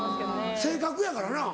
性格やからな。